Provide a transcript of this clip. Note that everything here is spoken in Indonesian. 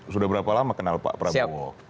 sudah berapa lama kenal pak prabowo